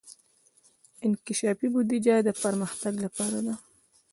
انکشافي بودجه د پرمختګ لپاره ده